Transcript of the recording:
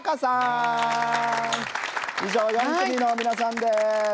以上４組の皆さんです。